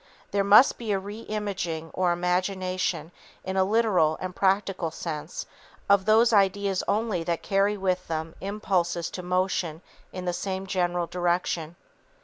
There must be a "re imaging" or imagination in a literal and practical sense of those ideas only that carry with them impulses to motion in the same general direction.